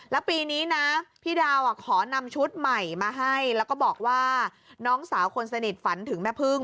แล้วปีนี้นะพี่ดาวขอนำชุดใหม่มาให้แล้วก็บอกว่าน้องสาวคนสนิทฝันถึงแม่พึ่ง